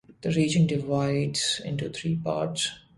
The region divides into three parts.